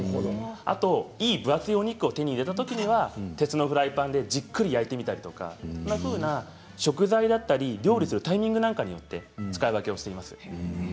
いい分厚いお肉を手に入れたときは鉄のフライパンでじっくり焼いてみたりとか食材や料理をするタイミングによって使い分けをしています。